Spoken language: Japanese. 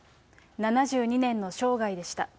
７２年の生涯でした。